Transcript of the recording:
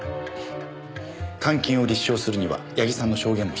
監禁を立証するには矢木さんの証言も必要ですから。